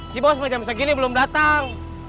si bos jam segini belum datang